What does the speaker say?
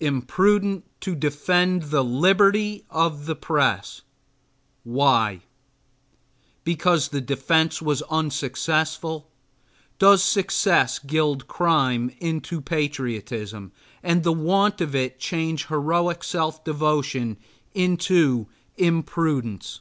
Imprudent to defend the liberty of the press! Why? Because the defense was unsuccessful? Does success gild crime into patriotism, and the want of it change heroic self devotion into imprudence?